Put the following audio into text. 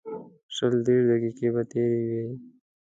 شل دېرش دقیقې به تېرې وې.